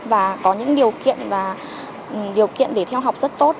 và có những điều kiện để theo học rất tốt